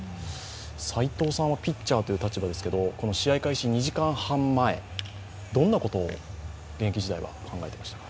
斎藤さんはピッチャーという立場ですけれども、この試合開始２時間半前、どんなことを現役時代は考えてましたか？